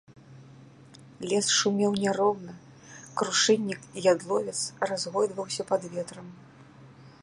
Лес шумеў няроўна, крушыннік і ядловец разгойдваўся пад ветрам.